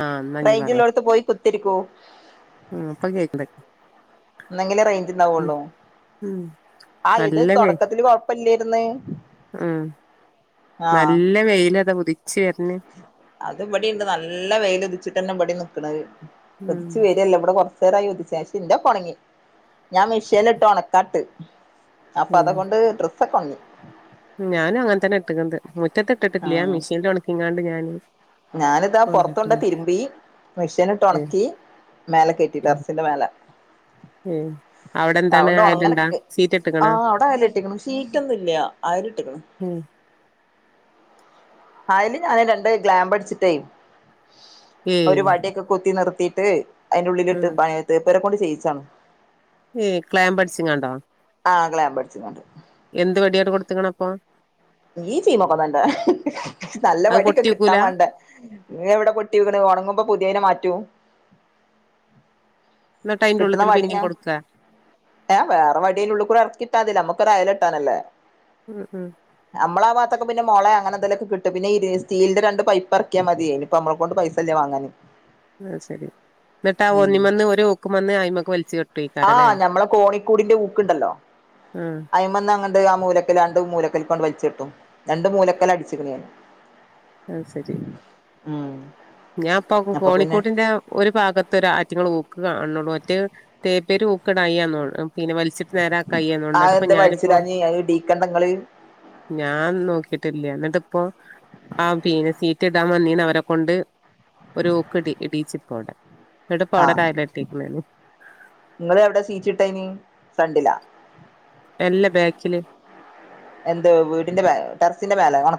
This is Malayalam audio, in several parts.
ആ ന്നാ ഞ് പറയ്. ത്തിരിക്കൂ മ് ഇപ്പം കേക്ക്ണ് ന്നങ്കിലേ റേഞ്ച്ണ്ടാവൊള്ളോ? ഉം ആ ഇത് തൊടക്കത്തില് കൊഴപ്പില്ലേ രുന്ന്. മ് നല്ല വെയിലതാ ഉതി അത് ഇവിടിണ്ട്, നല്ല വെയിലുതിച്ചിട്ടന്നെ ഇവടിന്നും ക്ക്ണ് ഉം ഉതിച്ചു വരല്ല ഇവടെ കൊറ ചെറായി [unintelligible] ശിന്റൊകൊണങ്ങി ഞാൻ മെഷീനിട്ട് ഒണക്കാട്ട് അപ്പൊ അതകൊണ്ട് ഡ്ര സക്കൊണങ്ങി ഉം ഞാനും അങ്ങനെത്തന്നെ ഇട്ടക്കുന്നത് മു റ്റത്തിട്ടിട്ടില്ലാ ഉം മെഷീനിൽ ഉണകിങ്ങാണ്ട് ഞാന് [unintelligible] ഞാനിതാ പൊറത്തൊണ്ട് കൊണ്ടട്ട്ണ് തിരുമ്പി മെഷീനിട്ട് ഉം ഒണക്കി മേലെ കേറ്റി ഉം ടറസിന്റെ മേലെ ഉം അവിടെ അത് എന്താണ് കൊണ്ട് അയല്ണ്ടാ ഉണങ്ങല്ണ്ട് സീറ്റ് ഇട്ട്ക്ക്ണോ ആഹ് അവിടെ അയല് കെട്ടിക്ക്ണ് ഷീറ്റൊന്നും ഇല്ല അയല് ഇട്ട്ക്ക്ണ് ഉം അയില് ഞാൻ രണ്ട് ഗ്ലാംമ്പ് അടിച്ചിട്ടേ ഏയ് ഒരു വടിയൊക്കെ കുത്തി നിർ ത്തീട്ട് അയിന്റുള്ളിലിട്ട് പയെ തേപ്പരെകൊണ്ട് ടീച്ചാണ് ഏഹ്‌ ക്ലാമ്പ് അടിച്ചിങ്ങാണ്ടോ ആഹ്‌ ക്ലാമ്പ് അടിച്ചിങ്ങാണ്ട് എന്ത് വെടിയോട് കൊടുത്തങ്ങണ അപ്പൊ ഈ ചീമൊക്കെന്നന്റെ നല്ല അത് വടിയൊക്കെ പൊട്ടിയോക്കൂല കിട്ടാൻ വേണ്ടേ എവിടെ പൊട്ടിവിക്ണ് ഒണങ്ങുമ്പോ പുതിയേനെ മാറ്റും ന്നട്ട് അയിന്റെ കിട്ടുന്ന ഉള്ള്ത്തിൽ വടിന പിന്നിം കൊടുക്കാ ഏ വേറെ വടിൽ ഉള്ളൂ കൂടെ ഇറയ്ക്കിട്ടാതില്ലമ്മക്ക് ഒര അയൽ കെട്ടനല്ലേ ഉം ഉം അമളാവാത് ഇപ്പൊ പിന്നേ മൊള അങ്ങെന്തെലക്കെ കിട്ടും പിന്നെ ഈ ഇത് സ്റ്റീലിന്റെരണ്ട് പൈപ്പ് അറക്കിയാമതി ഇപ്പ നമ്മള കൊണ്ട് പൈസല്ല വാങ്ങാൻ ആഹ് ശരി എന്നിട്ടാ ഒന്നി വന്ന് ഒരു ഓക്കുമ്മന്ന് അയിമക്ക് വലിച്ച് ആഹ കെട്ടേക്കാരല്ലേ ഞമ്മളെ കോണിക്കൂടിന്റെ ഊക്കുണ്ടല്ലോ ആഹ് അയിമ രണ്ട് ആ മൂലക്കല് രണ്ട് മൂലക്കല് കൊണ്ട് വലിച്ചട്ടും രണ്ട് മൂലക്കല്അടിച്ചിക്കപണ് ഞാൻ അഹ് ശരി ഞാൻ ഇപ്പൊ അപ്പൊ പിന്നെ കോണിക്കോട്ടിന്റെ ഒരു ഭാഗത്ത് ഒരു ആറ്റിങ്ങൾ ഊക്കുകാണ ഒറ്റേ തേപ്പേര് ഊക്ക് ടായിരുന്നു പിന്നെ വലിച്ചിട്ട് നേരാ കായിന്നു ആ എന്നിട്ടിപ്പോ എന്താ ഞാനിപ്പോ വലിച്ചിടാഞ്ഞ് അത് ഇടീക്കണ്ട ഇങ്ങള് ഞാൻ നോക്കിട്ടില്ല എന്നിട്ടിപ്പോ ആ പിന്നെ ഇടാൻവന്നിനി അവരെ കൊണ്ട് ഒരു ഓക്ക്‌ടിഇടീച്ചി പ്പവിടെ ആഹ് നിങ്ങൾ എവിടെ സീറ്റ് ഇട്ടനി ഫ്രണ്ടിലാ എല്ല ബാക്കില് എന്ത് വീടിന്റെ ടെറസിന്റെ മേലെ ഉണ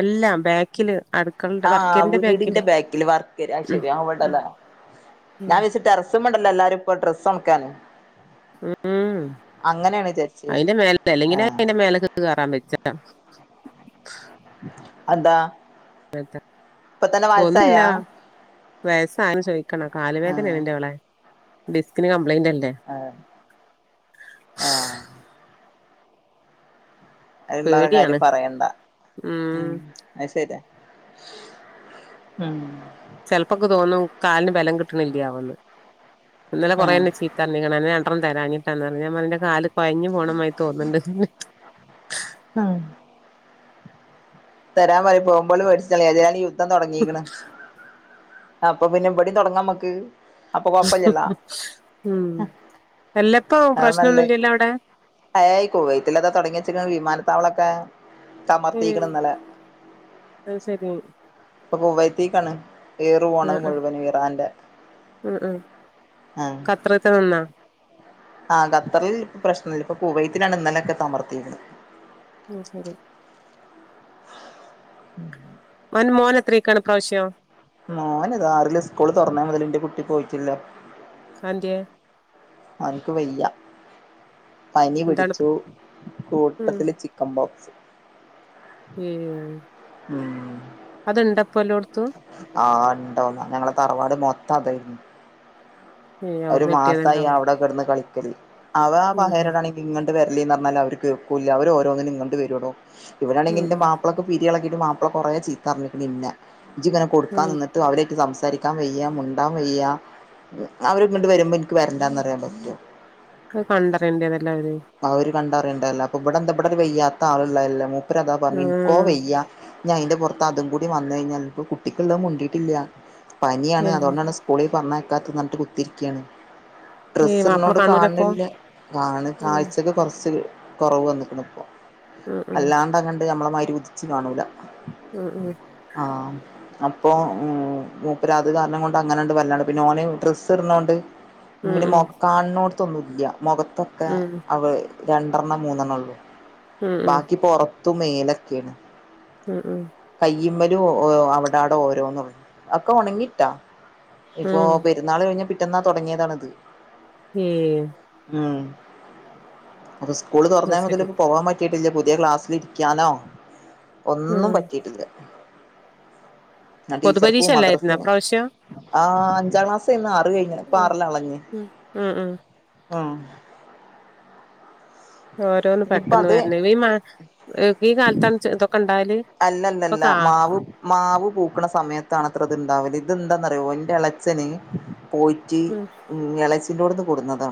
എല്ലാം ബാക്കില് അടുക്കളന്റെ ആ വർക്കേരിന്റെ വീടിന്റെ ബാക്കില് വർക്ക്ഏരിയ അഹ് ഉം ശരിയാ അവിടെ ലെ. ഞാൻ ഉം വിച് ഡെറസിമ്മെ ണ്ടല്ലോ എല്ലാരും ഇപ്പൊ ഡ്രസ്സ് ഒൺ ക്കാൻ ഉം വിചാരിച്ചത് അയിന്റെ മേല അല്ലെങ്കിലെ ആഹ് അയിന്റെ മേലക്ക് കേയറാൻ വെജ്ജ അതാ പെത്ത ഒന്ന്ല്ല വയസ്സായൊൻ ചോയിക്കണ് കാൽ ആഹ് വേദനണന്റെ വളെ ഡിസ്കിനു കം ബ്ലൈൻഡ് അല്ലെ ആഹ് ആഹ് അഹ് ണ്ടാണ പേടിയാണ് കാര്യം പറയണ്ട ഉം അഹ് ശരിയാ ഉം ചെൽപ്പൊക്കെ തോന്നു കാൽന് ബലം കിട്ട്ണില്ലാവോന്ന് ഇന്നലെ കൊറെ ആഹ് ഇന്നെ ചീത്ത ർഞ്ഞിക്ക്ണ് അന്നെ ഞാ ത്രം തരാഞ്ഞിട്ടാന്നെർഞ് ഞാം പർഞ് ഇന്റെ കാല് കൊഴഞ്ഞു പോണമായി തോന്ന്ണ്ട് ഉം തരാൻ വറി പോഉമ്പള് [unintelligible] ദ്ധം തൊട്ങ്ങീക്ണ് അപ്പൊ പിന്നെ വിടീം തുടങ്ങാമ്മക്ക് അപ്പൊ കൊയ്പ്പ ല്ല്യല്ലോ പറഞ്ഞ്. ഉം എല്ലപ്പോ അത പ്രശ്നൊന്നുല്ലല്ലോ അവിടെ നല്ലത്അ ഏയി കുവൈത്തിൽതാ തുടങ്ങിച്ചി വിമാന [unintelligible] തമർത്തിക്ക്‌ണ് ന്നലെ ആയ് ശരി ഇപ്പം കുവൈത്തിക്കാണ് ആ അ ഉ ഉ ഖത്രത്തെ നിന്നോ ആ ഖത്തറിൽ ഇപ്പ പ്രശ്നല്ല ഇപ്പൊ കുവൈത്തിനാണ് ഇന്നലൊക്കെ ത മർത്തിരിക്ക് ണ് ഉ ശരി ഉം അന്റെ മോനെത്രക്കാണ് പ്രാവശ്യം മോൻ ഇതാറില് സ്കൂള് തുൊറന്ന മുതലിന്റെ കുട്ടി പോയിട്ടില്ല അതെന്തേ അവനിക്ക് വയ്യ പനി എന്താണ് പിടിച്ചു കൂട്ടത്തില് ചിക്കൻ ബോക്സ് ഉം ഉം അത്ണ്ടപ്പൊ എല്ലോട്ത്തും ആഹ് ഉണ്ടോന്ന ഞങ്ങള തറവാട് മൊത്ത അതായിരുന്നു ഏഹ് ഒരു അവിടുന്ന് മാസമായി കിട്ടിയത്ണ്ടാവും അവിടെ കിടന്ന് കളി കളിക്കല് അവ ആ ഉം [unintelligible] വരല്ല പറഞ്ഞാൽ അവർക്ക കേൾക്കൂല്ല അവർ ഓരോന്നിനും ഇങ്ങട്ട് വരൂടോ ഇവിടാണെങ്കിൽ ഉം എന്റെ ഉം മാപ്പളക്ക് പി കുട്ടിയളകിയിട്ട് മാപ്പിള കുറേ ചീത്തറഞ്ഞി നിന്നെ [unintelligible] ഉം കൊടുക്കാൻന്നിട്ട് അവരേക്ക് എനിക്ക് ധരിക്കാൻ വയ്യ മുണ്ടാൻ വയ്യ അവര് ഇങ്ങട്ട് വരുമ്പോ എനിക്ക് വരണ്ടാന്ന് പറയാൻ പറ്റുമോ അത് [unintelligible] കണ്ടറിയണ്ടല്ലേ ഇവിടെ എന്ത ഇവിടെ വെയ്യാത്ത ആളല്ല മുപ്പര് അതാ പറഞ്ഞു ഇനിക്കോ ആഹ് വയ്യ ഞാൻ അതിന്റെ പുറത്ത് അതും കൂടി വന്നു കഴിഞ്ഞാൽ ഇപ്പ കുട്ടിക്കള്ളും മുണ്ടയിട്ടില്ല പനിയാണ് ഏഹ് അതുകൊണ്ടാണ് സ്കൂളിൽ പറഞ്ഞ കാത്ത് നട്ട് കുത്തിരിക്കുകയാണ് ഡ്രസ്സ്‌ ഏയ് ഇടുന്നത് മാപ്പിള കൊണ്ട് കാണൂലപ്പൊ കാണണില്ലേ കാണ ഉം ആഴ്ചയ്ക്ക് കുറ ച്ച് കുറവ് വന്നക്കണ് ഇപ്പോ ഉം ഉം അല്ലാണ്ട് അങ്ങ ത് നമ്മളെ മാതിരി ഉദിച്ചു കാണുലാ ഉം ഉം അപ്പൊ ഉം മൂപ്പരാ അത് കാരണം കൊണ്ട് അങ്ങനെണ്ട് വല്ലണ്ട് പിന്നെ ഓനെ ഡ്രസ്സ് ഇടുന്നകൊണ്ട് ഉം ഇങ്ങനെ മുഖം ഉം കാണണോ മുഖത്തൊന്നുമില്ല മുഖ ഒക്കെ ഉം അവള് രണ്ടെണ്ണം മൂന്നെണ്ണം ഉള്ളൂ ഉം ഉം ബാക്കിപ്പോറത്ത് തുമേലഒക്കെയോ ഉം ഉം യിമേലും അവിടെടെ ഓരോന്നും അതൊക്കെ ഉണങ്ങിട്ടോ ഇപ്പൊ ഉം പെരുന്നാൾ കഴിഞ്ഞി പിറ്റേന്നാ തുടങ്ങിയതാണിത് ഉം അ അപ്പ സ്കൂൾ അത് തൊറന്നെ മുതൽ ശരി പോവാൻ പ റ്റിട്ടില്ല പുതിയെ ക്ലാസ്സിൽ ഇരിക്കാനോ ഒന്നും ഉം പറ്റിട്ടില്ല ഞാ പൊതുപരീക്ഷ ടീച്ചർക്കും അല്ലായിരുന്നോ മദ്രസിനും ഇപ്രാവശ്യം ആ അഞ്ചാം ക്ലാസ്സെന്ന് ആറ് കഴിഞ്ഞ്ണ് ഇപ്പ ഉം ആറ്ലാ ഉള്ളെ ഇഞ് ഉം ഉം ഉം ആ ഓരോന്ന് ഇനിപ്പ പെട്ടെന്ന് അത് വെര്ണ് ഈ മഴ ഈ കാൽത്താണ് ചെ ഇതൊ അല്ല അല്ല അല്ല മാവ് മാവ് പൂക്ക്ണ സമയത്താണ് അത്രേ ഇത് ഇണ്ടാവെൽ ഇത് എന്താന്ന് അറിയാവോ ഇന്റെ എളച്ചൻ പോയിറ്റ് ഉം എളച്ചിന്റോട്ന്ന് കൊട്ന്നതാ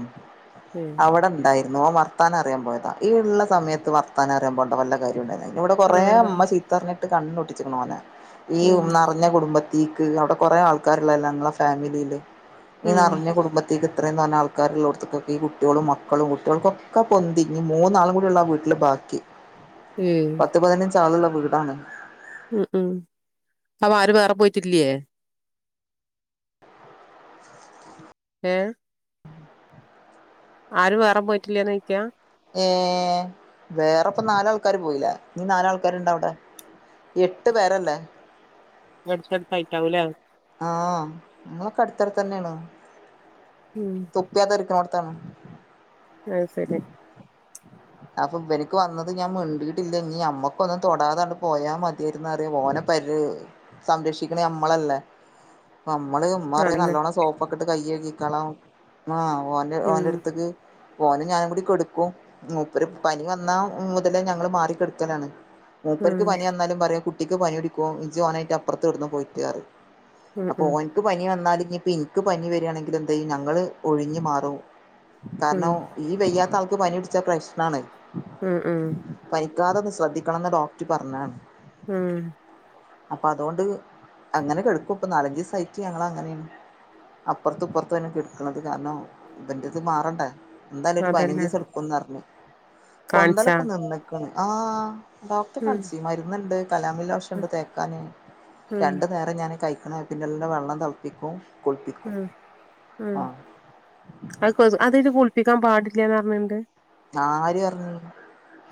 ഉം അവ്ടെ ഇണ്ടായി ഓൻ വർത്താനം അറിയാൻ പോയതാ ഈ ഇള്ള സമയത്ത് വർത്താനം അറിയാൻ പോണ്ട വല്ല കാര്യ ഇണ്ടായിനോ ഇവടെ കൊറേ ഇമ്മ ഇത് കണ്ട് പുട്ച്ച്ക്ക്ണ് ഓനെ ഈ ഉം ഉം നെറഞ്ഞ കുടുംബത്തി ത്തിക്ക് അവിടെ കൊറെ ആൾക്കാര്ള്ളല്ലേ ഞങ്ങളെ ഫാമിലിയില് ഈ ഉം നറ്ഞ്ഞ കുടുംബത്തിക്ക് ഇത്രയും തോനെ ആൾക്കാര്ള്ളോട്ത്തേക്ക് ഈ കുട്ടിയളും മക്കളും കുട്ടിയള്ക്കൊക്കെ പൊന്തി ഇനി മൂന്നാളും കൂടിയുള്ളു ആ വീട്ടില് ബാക്കി ഉം ഇത്രയാള് ഇള്ള വീ താനെ ഉം ഉം അപ്പ ആരും വേറെ പോയിട്ടില്ല്യേ ഏ ആരും വേറെ പോയിട്ടില്ല്യേന്നാെയ്ക്കാ ഏ വേറെപ്പ നാലാൾക്കാര് പോയിലെ ഞ്ഞ് നാലാൾക്കാരുണ്ടവ്ടെ എട്ട് പേരല്ലേ എട്ത്തെട്ത്തായിട്ടാവുംലെ ആ ഉം തൊപ്പിയാതരിക്ക്ന്നോടത്താണ് ആത് സരി അപ്പൊ ഇബര്ക്ക് വന്നത് ഞാൻ മിണ്ടീട്ടില്ലേെങ്കി ഞമ്മക്കും ഒന്നും തൊടാതാണ്ട് പോയാ മതിയേര്ന്നറയ ഓന്പയ്ല് സംരക്ഷിക്കണെ നമ്മളല്ലേ നമ്മള് ഉമ്മറിയും അതന്നെ നല്ലോണം സോപ്പ കയ്യേകിക്കാളാ ആ ഓന് ഉം ഓന്റെട്ത്ത്ക്ക് ഒന്ന് ഞാനും കൂടി കൊട്ക്കും നോ ഒര് പനി വന്ന മുതലേ ഞങ്ങള് മാറിക്കിട്ക്കലാണ് ഉം മൂപ്പർക്ക് പനി വന്നാലും പറയും ട്ടിക്ക് പനിടിക്കും ജ് ഓനായിട്ട് അപ്പുത്ത് കെട്ന്നോ പോയിട്ട് റിം ഉം അപ്പോ ഉം ഓൻക്ക് പനി വന്നാല് ഇനിപ്പ ൻക്ക് പനിവരായാണെങ്കിൽ എന്തെയ്യും ഞങ്ങള് ഒഴിഞ്ഞു മാറും ഉം കാരണം ഈ വയ്യാത്താ ക് പനി പിട്ച്ച പ്രശ് നാണ് ഉം ഉം നിക്കാതത് ശ്രദ്ധിക്കണംന്ന് ഡോക്ട് പറഞ്ഞേന്ന് ഉം അപ്പൊ അതോണ്ട് അങ്ങനെ കെട്ക്കും പ്പ നാലഞ്ചീസായ്റ്റ് ഞങ്ങളങ്ങനെയാണ് അപ്പുറത്തുപ്പറ്ത്തുന്നെ കെട്ക്കണത് കാരണം ഇവന്റെത് മാറണ്ടേ ന്തായാലും അതന്നെ ഒര്പയ്നഞ്ചീസം ട്ക്കുന്നറ്ഞ്ഞ് കാണിച്ചാ പൊന്തലൊക്കെ നിന്ന്ക്ക്ണ് ആ ഡോക്ടെ ഉം കാണ്ചി മര്ന്ന്ണ്ട് ഉം കലാമിലോഷണ്ട് തേക്കാന് ഉം രണ്ട്നേരം ഞാന് കയ് പിന്നെന്നും വെള്ളം തെള്പ്പിക്കും ഉം ഉം അത് അത് കൊ അതാത് കുൾപ്പിക്കാൻ പാടി ല്ലാന്ന്റ്ഞ്ഞ്ണ്ട് ആര് പറഞ്ഞ്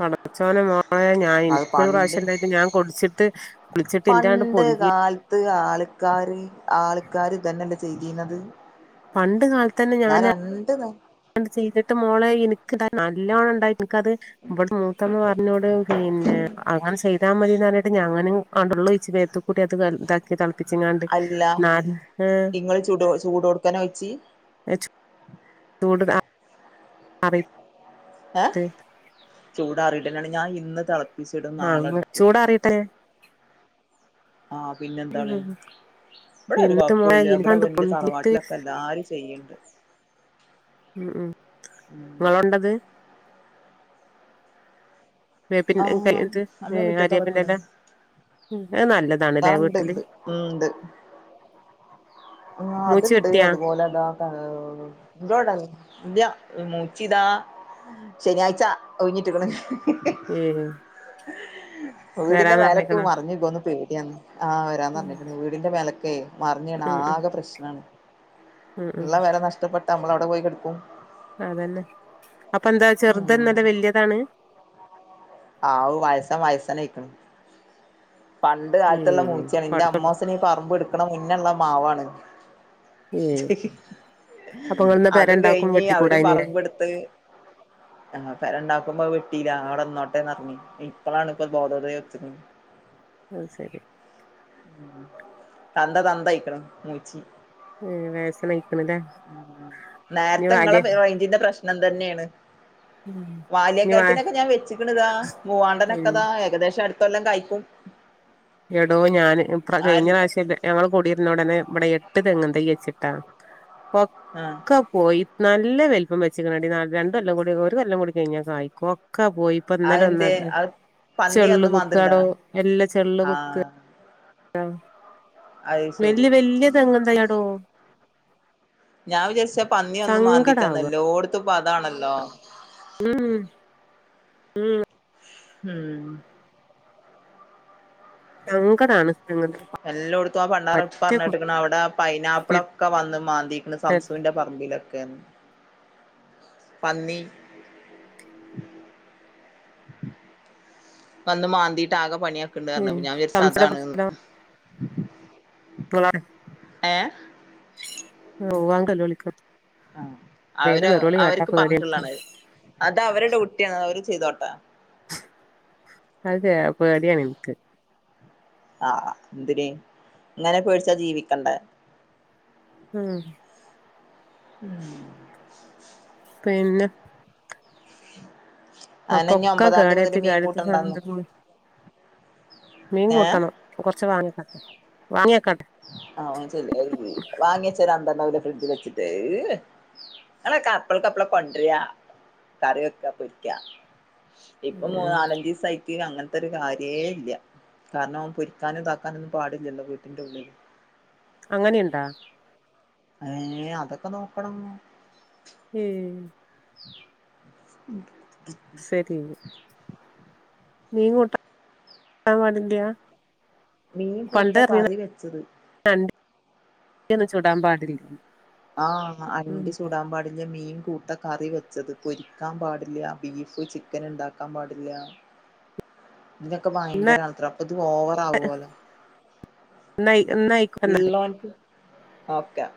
പടച്ചോനെ മോളെ ഞാൻ അത് എനിക്കൊരു പണ്ട് പ്രാവശ്യം ഉണ്ടായിട്ട് ഞാൻ കുടിച്ചിട്ട് കുളിച്ചിട്ട് ഇന്റാണ്ട് പണ്ട് പൊന്തി കാലത്ത് ആൾക്കാര് ആൾക്കാര് ഇതന്നെല്ല ചെയ് ഇതത് പണ്ട്‌ കാല ഞാൻ രണ്ട് നേ [unintelligible] ചെയ്തിട്ട് മോളെ ഇന്ക്ക്താ നല്ലോണണ്ടായി ഇന്ക്കത് ഇവിടെ മൂത്തമ്മ പറഞ്ഞോണ്ട്‌ പിന്നെ അങ്ങനെ ചെയ് [unintelligible] മതിന്ന് പറഞ്ഞിട്ട് ഞാനും [unintelligible] വെള്ളൊഴിച്ച് മേത്ത്ക്കൂടി അത് വെ ഇതാക്കിയതാണ് അല്ല ഇങ്ങള് ചൂടൊ ചൂടോട്ക്കനെ ഒഴിച്ച് [unintelligible] അതെ ഏ ചൂ ഇതാറിയിട്ടന്നേണ് ഞാൻ ഇന്ന് തള മിസ്സ്ടും ആഹ് നാളെട്ക്കും ചൂടാറിട്ടെ ആഹ് ഉം പിന്നെന്താള്ളെ. ഇവിടെ ഒരു എന്നിട്ട് മോളെ കൊഴപ്പുല്ല ഇവിടെ എനിക്കാണ്ട് വെന്റെ പൊന്തിട്ട് തറവാട്ടിലൊക്കെ എല്ലാരും ചെയ്യ്ണ്ട് ഉം ഉം ഉം നിങ്ങളാണ്ടത് വേപ്പിന്റെ ഇന്ക്കല്ലെ ആഹ് ഇത് നമ്മളെ ഏ മുറ്റത്താ വെക്ക്ണ് ആര്യവേപ്പിന്റെല്ല ഉം അത് നല്ലത് ആ ഇണ്ട്ണ്ട് ഉം ണ്ട്. ആ മൂച്ച് അതുണ്ട് കെട്ടിയാ അതുപോലെ ദാണ്ട എന്തുവാടനീ ഇല്ല മൂച്ചി താ ശനിയാഴ്ച ഒഴിഞ്ഞിട്ട് ക്ക്ണ്. ഏഹ് വീടിന്റെ വരാന്ന് മേലക്ക് പറഞ്ഞിക്കണോ മറിഞ്ഞ്കോന്ന് പേടിയാന്ന്. ആ വരാന്ന് ഉം പർഞ്ഞ്ക്ക് ണ് വീടിന്റെ മേല ഉം. മർഞ്ഞ്ണാ ഉം ആ [unintelligible] ഉം ഉം ഇള്ള പെര നഷ്ടപ്പെട്ട നമ്മള് എവ്ടെ പോയി കെട്ക്കും. അതന്നെ. അപ്പൊ എന്താ ചെർതന്നല്ല വല്യതാണ്. ആ വയസ വയസനായിക്ക്ണ്. പണ്ട് കാലത്തുള്ള ഏഹ് മൂച്ചി ആണ്. ന്റെ പടുത്തുള്ളൂ അമ്മോസൻ ഈ പറമ്പ് എടു പടിക്കണ മുന്നെ ഇള്ള മാവാണ്. ഏഹ് അപ്പൊ നിങ്ങളിന്ന് പെര അതും ഉണ്ടാക്കും കഴിഞ്ഞ് അവര് വെട്ടിക്കൂടായിനില്ലേ പറമ്പെടുത്ത് ഞങ്ങള് പെര ണ്ടാക്കുമ്പോ വ ട്ടീല അവിടെന്നോ ട്ടെ [unintelligible] ഇപ്പളാണ് ഇപ്പ ബോധോതയുദിച്ചത്. അത് ശരി തന്ത തന്ത ആയിക്കണം മൂച്ചി മ് വയസനായി. നേരത്തെ നിങ്ങള വാല്യ റേഞ്ചിന്റെ പ്രശ് നം തന്നെയാണ്. ഇനി വാ വാല്യക്കാര്യയത്തിനൊക്കെ ഞാൻ വെച്ചിക്കണതാ ഉം മൂവാണ്ടനൊക്കെതാ ഏകദേശം അടു ഇക്കൊല്ലം കായ്ക്കും. എടോ ഞാൻ ഇ കഴിഞ്ഞ ആര് പ്രാവശ്യം ഞങ്ങൾ കൊടിയിരുന്ന ഉടനെ ഇബടെ എട്ട് തെങ്ങ്തയ് വച്ചിട്ടാ ആ ഒക്കെ പോയി നല്ല വലുപ്പം വെച്ചിക്കങ്ങാണ്ടി രണ്ട് കൊല്ലം കൂടി ഒരു കൊല്ലം കൂടി കഴിഞ്ഞാൽ കായിക്കോ ക്കാ പോയി ഇപ്പ ഇന്നെല അതെന്തേ ഒന്നാത്തെ അത് പന്നി ചെള്ള് വന്ന് മാന്തുണ്ടാ കുത്താടോ എല്ലാ ചെള്ള് കു ആഹ് ആഹ അത് ശരി വല്യ വല്യ തെങ്ങ് തൈ ആടോ ഞാൻ വിചാരിച്ച് പന്നി വന്ന് സങ്കടാവുക മാന്തിട്ടാന്നല്ലോടത്തും പ്പം അതാണല്ലോ ഉം ഉം ഉം സങ്കടാണ് തെങ്ങും തൈ എല്ലായിടത്തും ആ പണ്ടാറം പറ്റെ പറണെട്ടിക്കണ അവിടെ കുത്തിയിട്ടിട്ട് പൈനാപ്പിളൊക്കെ വന്ന് മാന്തിക്കണ് സംസുവിന്റെ പറമ്പില് [unintelligible] പന്നി വന്ന് മാന്തിട്ടാകെ പണിയാക്കിണ്ട് പറഞ്ഞ് അപ്പൊ ഞാൻ വിചാരിച്ച് ഉം അതാണ്ന്ന് [unintelligible] ഏഹ് ഓ വാണ്ടല്ലോല്ക്ക് ആ അവര് അവർക്ക് എനിക്ക് പറഞ്ഞിട്ടുള്ളതാണ് അത് അവരുടെ കുട്ടിയാണ് അവർ ചെയ്തോട്ടെ അതെ പേടിയാണ് എനക്ക് ആഹ എന്തിന് ഇങ്ങനെ പേടിച്ചാ ജീവിക്കണ്ടെ മ് [inaudible] പിന്നെ [inaudible] അയന്നെ ഇനി അപ്പൊക്കെ ഒമ്പതാം തീയതി കേടത്തി മുതല് മീൻ കേടത്തി കൂട്ടണ്ടാന്ന് [unintelligible] മീൻ ഏഹ് കൂട്ടണം കൊറച്ച് വാങ്ങിക്കട്ടെ വാങ്ങി വെക്കാൻ അല്ല വാങ്ങിച്ചരാന്തന്ന [unintelligible] ഫ്രിഡ്ജില് വെച്ചിട്ട് അങ്ങെ [unintelligible] കപ്പൾ കപ്പള [unintelligible] കൊണ്ടരുവ കറി വെക്ക പൊരിക്ക ഇപ്പൊ ഉം മൂന്നാലഞ്ചു ദിവസായി രിക്ക്യ അങ്ങനത്തെ ഒരു കാര്യേ ഇല്ല്യ കാരണം പൊരിക്കാനും ഇതാക്കാനൊന്നും പാടില്ലല്ലോ വീട്ടിന്റുള്ളിൽ അങ്ങനെയുണ്ടോ ഏ അതൊക്കെ നോക്കണം ഏ ഉം സെരി മീൻ കൂട്ടാ ട്ടാൻ പാടില്ല്യ? മീൻ കൂട്ടാം കറി വെച്ചത്. ഇന്ന് ചൂടാവാൻ പാടില്ലയിരുന്നു. ആ അണ്ടി ചുടാൻ പാടില്ല്യ മീൻ കൂട്ടാം കറി വെച്ചത്, പൊരിക്കാൻ പാടില്ല്യ, ബീഫ്, ചിക്കൻ ഇണ്ടാക്കാൻ പാടില്ല്യ. ഇതൊക്കെ എന്നാ ഭയങ്കരാണത്രേ അപ്പ ഇത് ഓവറാവുവലോ എന്നാ എന്നായിക്കോട്ടെ എന്നാല്. ഇള്ളോൻക്ക് ഓക്കെയാ.